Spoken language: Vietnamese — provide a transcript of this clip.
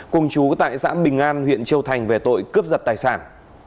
cùng chú tại xã bình an huyện châu thành về tội cướp giật tài sản